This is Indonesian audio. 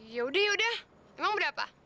ya udah ya udah emang berapa